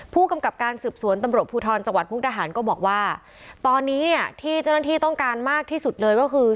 ผู้กำกับการสืบสวนตำรวจภูทรจังหวัดมุกดาหารก็บอกว่าตอนนี้เนี่ยที่เจ้าหน้าที่ต้องการมากที่สุดเลยก็คือ